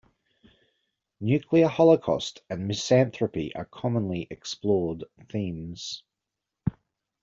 Nuclear holocaust and misanthropy are commonly explored themes.